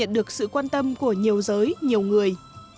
được sự quan tâm của nhiều giới nhiều người